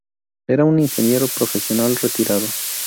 Era un ingeniero profesional retirado.